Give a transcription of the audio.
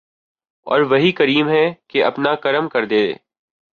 او ر وہی کریم ہے کہ اپنا کرم کردے ۔